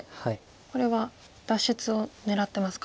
これは脱出を狙ってますか。